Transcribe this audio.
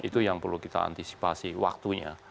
itu yang perlu kita antisipasi waktunya